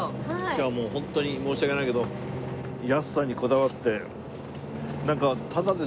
今日はもうホントに申し訳ないけど安さにこだわって。